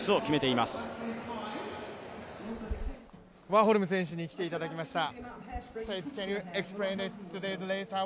ワーホルム選手に来ていただきました。